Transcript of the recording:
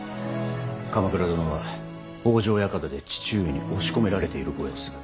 鎌倉殿は北条館で父上に押し込められているご様子。